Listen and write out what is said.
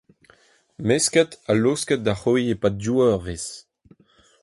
Meskit ha laoskit da c’hoiñ e-pad div eurvezh.